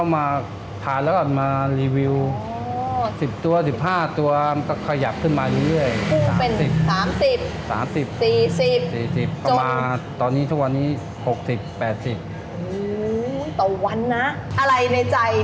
อะไรในใจที่ยังไม่ได้บอกแล้วอยากพูดกับพี่ต้อมไหม